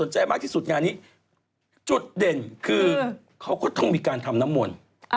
จุดเด่นคือเขาก็ต้องมีการทำน้ำมน